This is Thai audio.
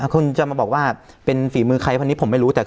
คุณจะมาบอกว่าเป็นฝีมือใครคนนี้ผมไม่รู้